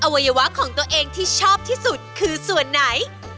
วัยวะของตัวเองที่ชอบที่สุดคือส่วนไหน